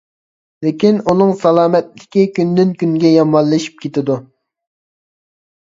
لېكىن ئۇنىڭ سالامەتلىكى كۈندىن-كۈنگە يامانلىشىپ كېتىدۇ.